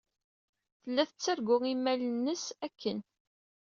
Tella tettargu imal-ines akken.